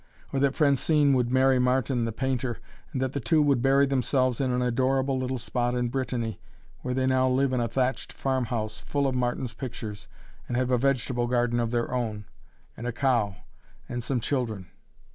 Or that Francine would marry Martin, the painter, and that the two would bury themselves in an adorable little spot in Brittany, where they now live in a thatched farm house, full of Martin's pictures, and have a vegetable garden of their own and a cow and some children!